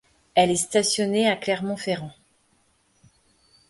Elle est stationnée à Clermont-Ferrand.